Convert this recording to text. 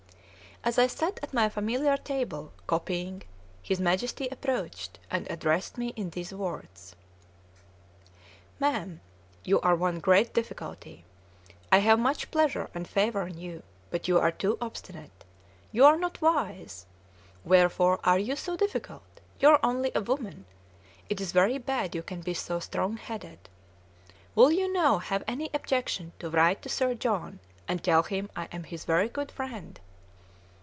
As I sat at my familiar table, copying, his Majesty approached, and addressed me in these words: "Mam! you are one great difficulty. I have much pleasure and favor on you, but you are too obstinate. You are not wise. Wherefore are you so difficult? You are only a woman. It is very bad you can be so strong headed. Will you now have any objection to write to Sir John, and tell him I am his very good friend?"